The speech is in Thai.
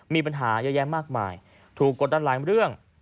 มีปัญหาเยอะแยะมากมายถูกกดดันหลายเรื่อง